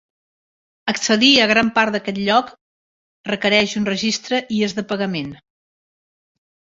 Accedir a gran part d'aquest lloc requereix un registre i és de pagament.